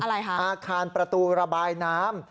อะไรคะอาคารประตูระบายน้ำ